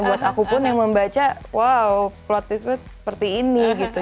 buat aku pun yang membaca wow plot itu seperti ini gitu